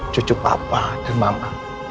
cucu papa dan mama